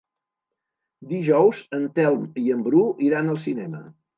Dijous en Telm i en Bru iran al cinema.